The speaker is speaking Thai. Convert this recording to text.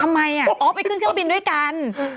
ทำไมไปขึ้นเครื่องบินด้วยกัน